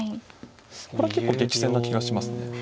これは結構激戦な気がしますね。